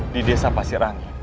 di desa pasir rangi